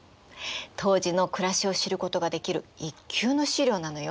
当時の暮らしを知ることができる一級の資料なのよ。